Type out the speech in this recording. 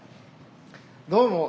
どうも。